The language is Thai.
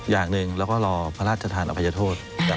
อย่างหนึ่งแล้วก็รอพระราชธรรมอภัยทธวรรษ